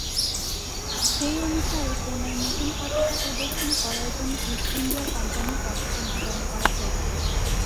সেই অনুসারে কোণায় নতুন পতাকা প্রদর্শন করার জন্য ইস্ট ইন্ডিয়া কোম্পানির পতাকা নবায়ন করা হয়েছিল।